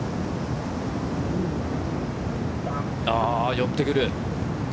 寄ってくる。